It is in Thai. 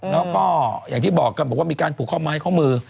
แล้วก็อย่างที่บอกกันบอกว่ามีการผูกข้อไม้ข้อมือ